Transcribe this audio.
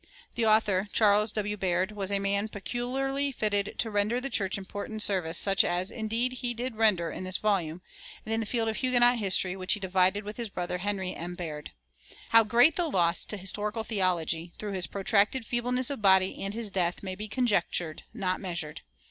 The author, Charles W. Baird, was a man peculiarly fitted to render the church important service, such as indeed he did render in this volume, and in the field of Huguenot history which he divided with his brother, Henry M. Baird. How great the loss to historical theology through his protracted feebleness of body and his death may be conjectured, not measured.